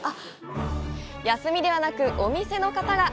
休みではなく、お店の方が！